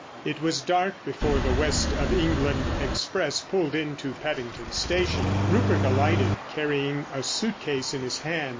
It was dark before the West of England express pulled into Paddington Station. Rupert alighted, carrying a suit case in his hand.